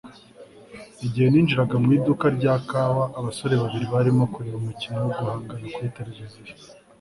Igihe ninjiraga mu iduka rya kawa abasore babiri barimo kureba umukino wo guhangana kuri televiziyo